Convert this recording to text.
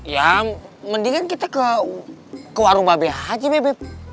ya mendingan kita ke warung babi aja beb